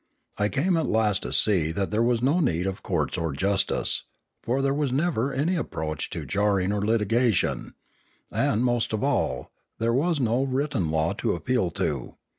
I came at last to see that there was no need of courts of justice, for there was never any approach to jarring or litigation; and, most of all, there was no written law to appeal to.